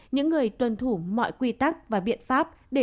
những người tuân thủ mọi quy tắc và biện pháp để tránh covid một mươi chín